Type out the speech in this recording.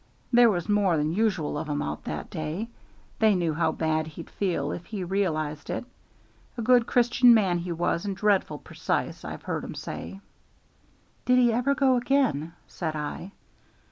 There was more than usual of 'em out that day; they knew how bad he'd feel if he realized it. A good Christian man he was, and dreadful precise, I've heard 'em say." "Did he ever go again?" said I.